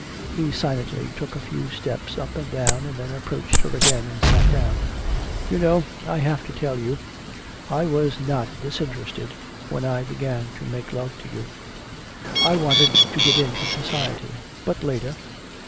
He silently took a few steps up and down, and then approached her again and sat down. 'You know... I have to tell you... I was not disinterested when I began to make love to you. I wanted to get into society; but later...